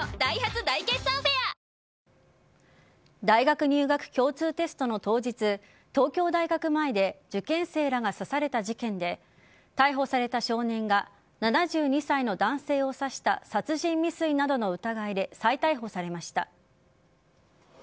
大学入学共通テストの当日東京大学前で受験生らが刺された事件で逮捕された少年が７２歳の男性を刺した殺人未遂などの疑いで再逮捕されました。